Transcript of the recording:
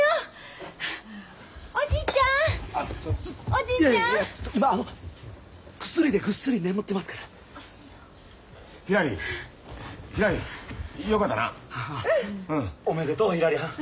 おめでとうひらりはん。